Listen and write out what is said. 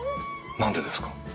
何でですか！？